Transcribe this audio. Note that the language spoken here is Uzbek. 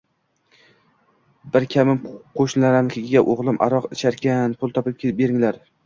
Bir kamim qo`shnilarnikiga O`g`lim aroq icharkan, pul topib beringlar